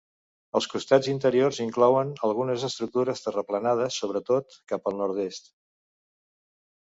Els costats interiors inclouen algunes estructures terraplenades, sobretot cap al nord-est.